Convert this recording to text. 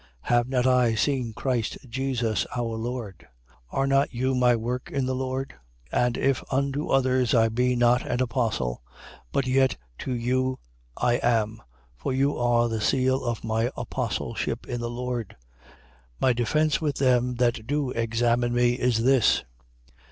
Have not I seen Christ Jesus our Lord? Are not you my work in the Lord? 9:2. And if unto others I be not an apostle, but yet to you I am. For you are the seal of my apostleship in the Lord. 9:3. My defence with them that do examine me is this.